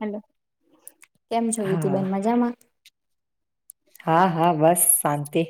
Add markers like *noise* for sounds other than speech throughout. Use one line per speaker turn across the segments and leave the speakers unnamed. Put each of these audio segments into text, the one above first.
Hello કેમ જોવી ત
હા
બેન મજામાં
હા હા બસ શાંતિ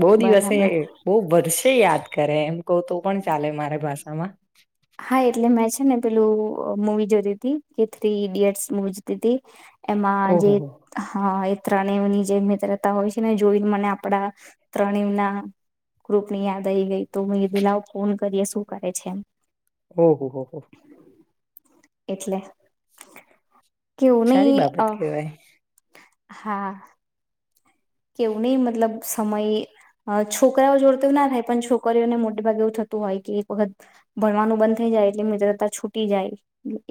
બહુ દિવસે
બરાબર.
બહ વર્ષે યાદ કરે એમ કહ તો પણ ચાલે મારે ભષા આમાં
હા એટલે મેં છે ને પેલું મવી જોતી હતીી કે થ્રી ઈડિયટ્સ મવી જોતી હતી એમાં જે
ઓહો હો
હ ત્રણેવની જે મિત્રતા હોય છે ને જોઈને મને આપડા ત્રણેવ ના ગ્રુપ ની યાદ આવીઈ ગઈ તો દુલાઓ ફોન કરીએ શું કરે છે એમ
ઓહ હો હો
એટલે કેવું
સારી
નહી અ
બાબત કેહેવાય
હા કેવું નહી મતલબ સમય છોકરાઓ જોડતો ના થાય પણ છોકરીઓને મોટે ભાગે એવું થતું હોય કે એક વખત ભણવાનું બંધ થઈ જાય એટલે મિત્રતા છૂટી જાય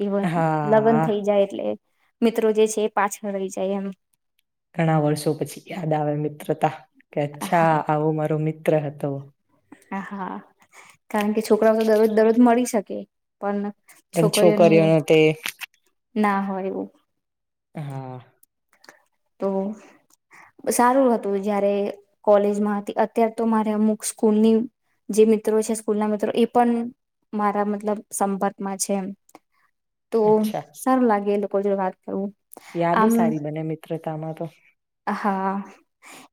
એ વાત
હા
લગ્ન
હા
થઈ જાય એટલે મિત્રો જે છે એ પાછળ રહી જાય એમ
ઘણા વર્ષો પછી યાદ આવે મિત્રતા કે અચ્છા
હા
આવું મારોું મિત્ર *inaudible*
હ હા કારણ કે છોકરાઓ તો દરરોજ દરરોજ મળી શકે પણ
પણ
છોકરીઓને
છોકરીઓનો તે
ના હોય એવું
હા
તો સારું હતું જયારે કોલેજમાં હતી અત્યારે તો મારે અમુક સ્કૂલની જે મિત્રો છે સ્કૂલ ના મિત્રો એ પણ મારા મતલબ સંપર્કમાં છે એ તો
અચ્છા
સરારું લાગેલ વાત કરવું
યાદો
આમ
સારી બને મિત્રો શતામાં તો
હા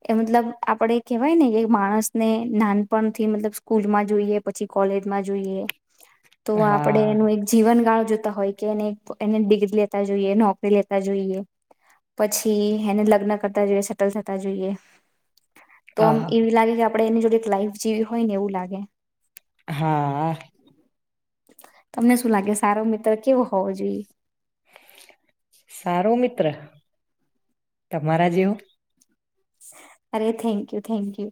એ મતલબ આપણે કેહેવાય ને માણસને નાનપણથી મતલબ સ્કૂલમાં જોઈએ પછી કોલેજમાં જોઈએ તો આપડે
હા
એનું એક જીવનકાાળ હોય એને ડિગ્રી લેતા જોઈએ નોકરી લેતા જોઈએ પછી એને લગ્ન કરતા જોઈએ સેટલ થતા જોઈએ તો આમ
હા
એવી લાગે કે આપડે એની જોડે એક લાઈફ જીવી હોય ને એવું લાગે
હા
તમને શું લાગે સારો મિત્ર કેવો હોવો જોઈએ
સારું મિત્ર તમારા જેવું
અરે થેન્ક યુ થેન્ક યુ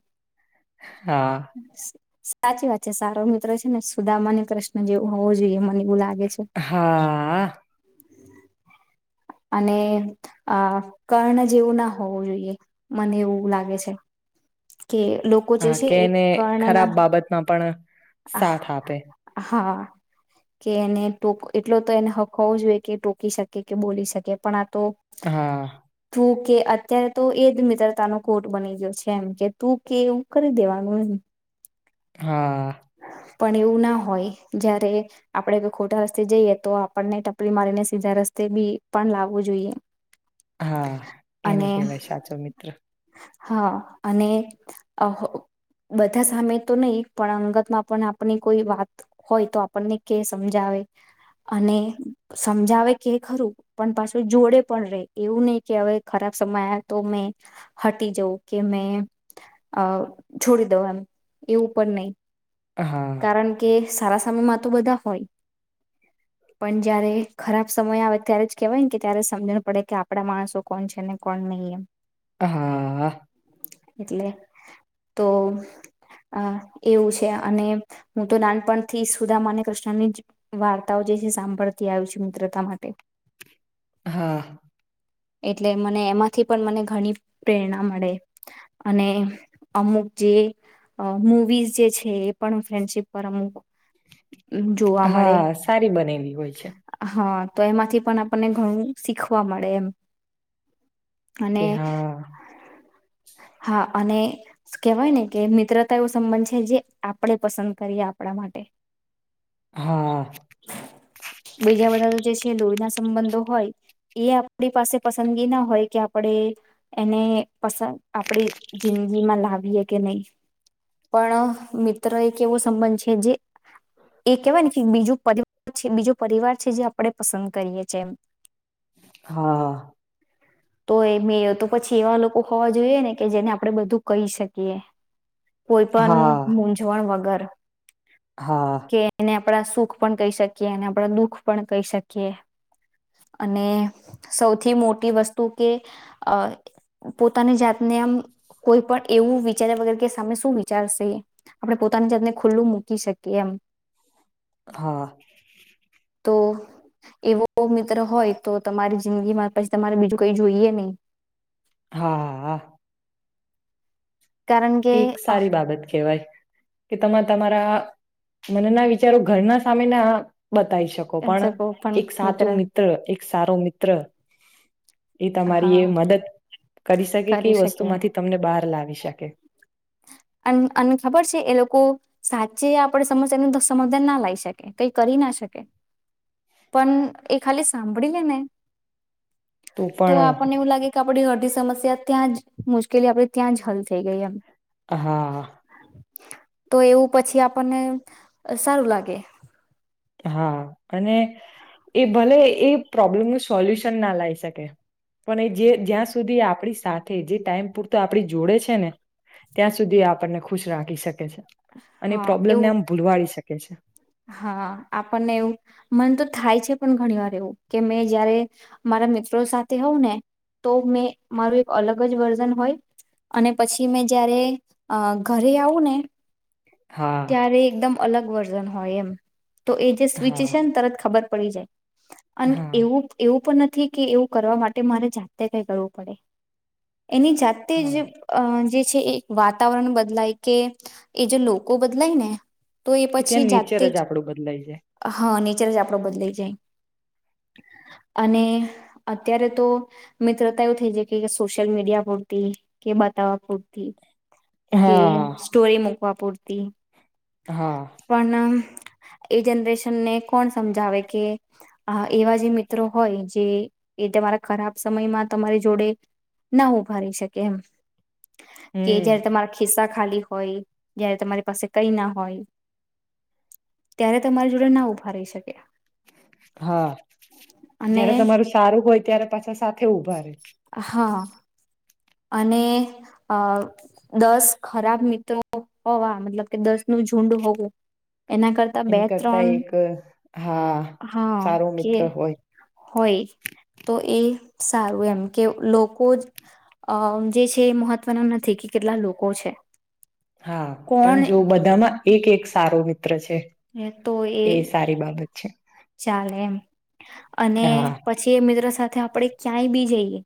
હા હા
સાચી વાત છે સારો મિત્રો છે ને સુદામન કૃષ્ણ જેવું હોવો જોઈએ મને બુલા
હા
અને અ કર્ણ જેવું ના હોવું જોઈએ મને એવું લાગે છે કે લોકો જે
હા
છે
કે
એ
એને ખરાબ
કર્ણના
બાબતમાં પણ સાથ આપે
હા કે એને ટ એટલો તો એને હક હોવો જોઈએ કે ટોકી શકે કે બોલી શકે પણ આ તો
હા
કે અત્યારે તો એ જ મિત્રતા ન કોર્ટ બની ગયો છે કેમ કે તું કે એવું કરી દેવાનું એમ
હા હ
પણ એવું ના હોય જયારે આપણે કોઈ ખોટા રસ્તે જઈએ તો આપણને ટપરી મારીને સીધા રસ્તે બી પણ લાવવું જોઈએ
હા એને
અને
કેહેવાય સાચો મિત્ર
હા અને બધા સામે તો નહીિ પણ અંગત પણ આપની કોઈ વાત હોય તો આપણને કે સમજાવે અને સમજાવે કે ખરું પણ પાછું જોડે પણ રે એવું નહી કે હવે ખરાબ સમય આવ તો મે હટી જવં કે મેં અ છોડી દઉં એમ એવું પણ નહી
હા
કારણ કે સારા સમયમાં તો બધા હોય પણ જયારે ખરાબ સમય આવે ત્યારે જ કેહેવાય ને કે ત્યારે સમજણ પડે કે આપડા માણસો કોણ છે ને કોણ નહીં એમ
હા
એટલે તો આ એવું છે અને હું તો નાનપણથી સુદામા અને કૃષ્ણની વાર્તાઓ જે છે સાંભળતી આવ છ મિત્રતા માટે
હા
એટલે મને એમાંથી પણ મને ઘણી પ્રેરણા મળે અને અમુક જે મુવીઝ જે છે પણ ફ્રેન્ડશિપ પર અમ
હા સારી બનેલી હોય છે
હા તો એમાંથી પણ આપણને ઘણું શીખવા મળે એમ અને
કે હા
હા અને કેહેવાય ને કે મિત્રતા એવો સંબંધ છે જે આપણે પસંદ કરીએ આપણા માટે
હા
બીજા બધા તો જે છે લોહીના સંબંધો હોય એ આપણી પાસે પસંદગી ના હોય કે આપણે એને પ આપણે જિંદગીમાં લાવીએ કે નહી પણ મિત્ર એક એવો સંબંધ છે જે એ કેહેવાય ને કે બીજુંર છે બીજો પરિવાર છે જે આપણે પસંદ કરીએ છે એ
હા હ.
તો એ મે તો પછી એવા લોકો ખવા જોઈએ ને. કે જેને આપડે બધું કહી શકીએ. કોઈ પણ
હા
મૂઝવણ વગર.
હા.
આપણા સુખ પણ કહી શકીએ અને આપણા દુઃખ પણ કહી શકીએ અને સૌથી મોટી વસ્તુ કે પોતાની જાત. એમ કોઈ પણ એવું વિચાર્યા વગર કે સાને શું વિચારશે આપણે પોતાની જાતને ખુલ્લું મૂકી શકીએ એમ.
હા.
તો એવો મિત્ર હોય તો તમારી જિંદગીમાં પછી તમારે બીજું કઈ જોઈએ નહી.
હા હા હા.
કારણ કે
એક
આહ
સારી બાબત કહેવાય કે તમે તમારા. મને ના વિચારો ઘરના સામે ના. બતાવી શકો
એમ
પણ
શકો પણ
એક સાચો મિત્ર એક સારો મિત્ર. એ તમારી એ
હા
મદદ કરી શકે કે એ વસ્તુ માંથી તમને બહાર લાવી શકે. *inaudible*
અને ખબર છે એ લોકો સાચે આપણે સમ એનું સમધાન ના લાવ શકે કઈ કરી ના શકે પણ એ ખાલી સાંભળી લે ને. તો આપણને એવું લાગે કે આપડી અડધી. સમસ્યા ત્યાં જ મુશ્કેલી આપે ત્યાં જ હલતી. થઈ ગઈ એમ.
હા.
તો એવું પછી આપણને સારું લાગે.
હા અને એ ભલે એ પ્રોબ્લેમનું સોલ્યુશન ના લાવી શકે પણ એ જે જ્યાં સુધી આપણી સાથે જે ટાઈમ પૂરતો આપડી જોડે છે ને ત્યાં સુધી આપણને ખુશ રાખી શકે. અને
હા
પ્રોબ્લેમને
એવું
આમ ભૂલવાડી શકે. *inaudible*
હા આપણને એવું મન તો થાય છે પણ ઘણી વાર એવું કે મેં જયારે મારા મિત્રો સાથે હોઉં ને તો મેં મારું એક અલગ જ વર્ઝન હોય અને પછી મેં જયારે ઘરે આવું ને.
હા
ત્યારે એકદમ અલગ વર્ષ. હોય એમ. તો એ જે સ્વિચ
હા
છે ને તરત ખબર. પડી જાય. અને
હા
એવું એવું પણ નથી. કે એવું કરવા માટે મારે જાતે કઈ કરવું પડે. એની જાતે
હા
જ જે. વાતાવરણ બદલાય કે એ જે. બદલાય ને. તો એ
કે
પછી
ત્યાં નેચર
જાતે જ
આપડું બદલાઈ જાય
હા. અ આપડો બદલાઈ જાય અને અત્યારે તો મિત્રતા એવું થઈ જાય કે સોશિયલ મીડિયા પૂરતી કે બતાવવા પૂરતી. કે
હા
સ્ટોરી મુક. *inaudible* *inaudible*
હા
પણ એ જનરેશનને કોણ સમજાવે કે એવા જે મિત્રો હોય જે એ તમારા ખરાબ સમયમાં તમારી જોડે ના ઉભા ર શકે એમ કે
હમ
જયારે તમારા ખિસ્સા ખાલી હોઈ જય તમારી પાસે કઈ ના હોય ત્યારે તમારી જોડે ના ઉભા રહી શકે
હા
અને
જયારે તમારું સારું હોય ત્યારે પાછા સાથે ઉભા રહેે
હા અને અ દસ ખરાબ મિત્રો હોવા મતલબ કે દસ નું ઝુંડ હોવું એના કરતા બે
એની કરતા
ત્રણ
એક હા
હા
સારો
કે
મિત્ર હોય
હોય તો એ સારું એમ કે લોકો જ અ જે છે એ મહત્વનું નથી કે કેટલા લોકો છે
હા
કોણ
પણ જો બધામાં એક એક સારો રી છે એ સારી બાબત છે
ચાલે એમ અને
હા
પછી એ મિત્રો સાથે આપણે ક્યાંય બી જઈએ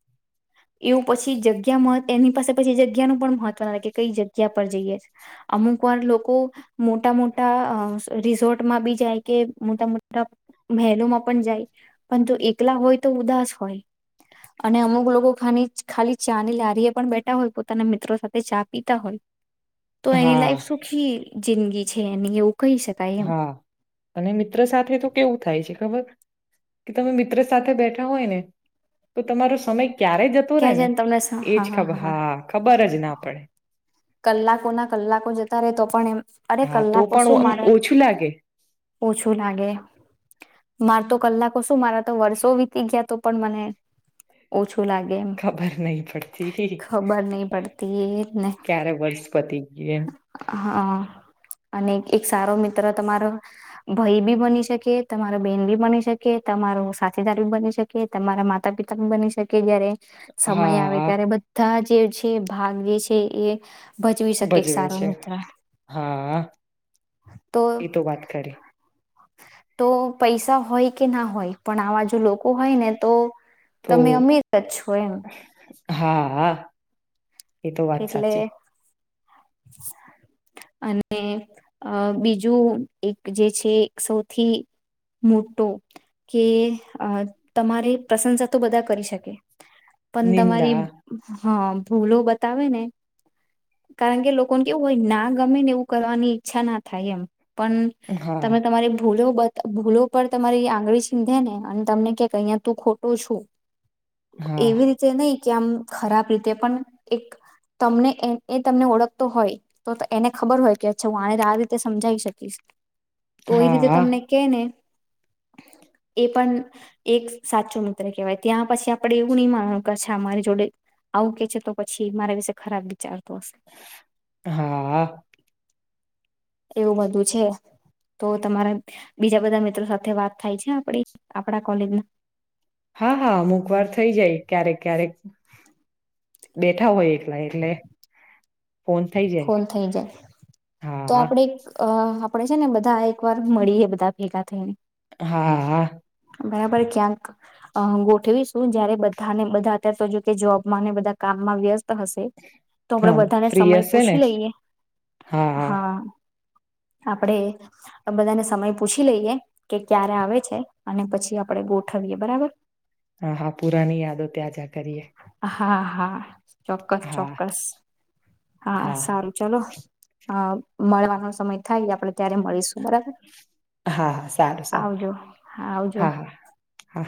એવું પછી જગ્યા એની પાસે પછી જગ્યાનુંું પણ મહત્વ લાગે કે કઈ જગ્યા પર જઈએ અમુક વાર લોકો મોટા મોટા રિસોર્ટમાં બી જાય કે મોટા મોટા મહેલોમાં પણ જાય પરંતુ એકલા હોય તો ઉદાસ હોય અને અમુક લોકો ખા ખાલી ચા ની લારીએ પણ બેઠા હોય પોતાના મિત્રો સાથે ચા પીતા હોય તો એની
હા
લાયક સુખી જિંદગી છે એની એવું કહી શકાય એમ
હા અને મિત્ર સાથે કેવું થાય છે ખબર કે તમે મિત્ર સાથે બેઠા હોય ને તો તમારો સમય ક્યારે જતું રે
ક્યાં
ને
છેને તમને
એજ
હા
ખબર હા ખબર જ ના પડે.
કલાકો ના કલાકો જતા રહે તો પણ એમ અરે
હા તો
કલાકો
પણ
શું
આમ
મારે
ઓછું લાગે
ઓછું લાગે માર તો કલાકો શું મારા તો વર્ષો વીતી ગયા તો પણ મને ઓછું શું લાગે એમ
ખબર નહી પડતી
ખબર નહી પડતી એને.
વનસ્પતિ *inaudible*
હ અને એક સારો મિત્ર તમારો ભાઈ બી બની શકે તમારો બેન બી બની શકે તમારો સાથીદાર બી બની શકે તમારા માતા પિતા બી બની શકે જયારે સમય આવે
હા
ત્યારે બધા જ જે છે ભાગ જે છે એ ભજવી શકે એક
ભજવે
સારો
છે
મિત્ર
હા એ તો વાત ખરી.
તો પૈસા હોય કે ના હોય પણ આ બા જોુ લોકો લોકો હોય ને તો
તો
તમે અમીર જ છો એમ
હા એ તો વાત
એટલે
સાચી
અને અ બીજું એક જે છે સૌથી મોટો કે અ તમારે પ્રશંસા તો બધા કરી શકે પણ તમારી
નિંદા
હા ભૂલો બ તાવે ને કારણ કે લોકોને કેવું હોય ના ગમે ને એવું કરવાની ઈચ્છા ના થાય એમ પણ તમે
હા,
તમારી ભૂલો બ ભૂલો પર તમારી આંગળી સીંધે ને અને તમને કે અહીયાં તું ખોટો છું
હા,
એવી રીતે નઈ કેમ ખરાબ રીતે પણ એક તમને એ તમને ઓળખતો હોય તો એને ખબર હોય કે અચ્છા હું આને આ રીતે સમજાવી શકીશ તો એ રીતે
હા,
તમને કે ને એ પણ એક સાચો મિત્ર કેહેવાય ત્યાં પછી આપડે એવું નહી માનવાનું કેા મારી જોડે આવું કે છે તો પછી મારા વિશે ખરાબ દી ચારપાસ
હા.
એવું બધું છે તો તમારા બીજા બધા મિત્રો સાથે વાત થાય છે આપડી આપડા કોલેજના
હા હા અમુક વાર થઇ જાય ક્યારેક ક્યારેક બેઠા હોય એટલા એટલે ફોન થઈ જાય.
ફોન થઈ જાય તો
હા,
આપણે અ આપડે છે ને બધા એક વાર મળી એ બધા ભેગા થઈને
હા
બરાબર ક્યાંક અ ગોઠવીશું જયારે બધાને બધા અત્યારે તો જો કે જોબમાં ને બધા કામમાં વ્યસ્ત હશે તો આપણેે
હા,
બધાને
ફ્રી
સમય
હશે ને?
પૂછી લઈએ હા આપણેે બધાને સમય પૂછી લઈએ કે ક્યારે આવે છે અને પછી આપડે ગોઠવીએ બરાબર
હા હા પુરાની યાદો ત્યાંજા કરીએ
હા હા ચોક્કસ
હા,
ચોક્કસ હા સારું ચલો અ મળવાનો સમય થાય આપડે ત્યારે મળીશું બરાબર
હા, સારું સારું
આવજો હા આવજો
હા.